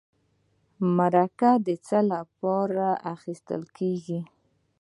مرکه د څه لپاره اخیستل کیږي؟